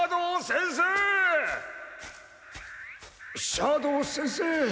斜堂先生。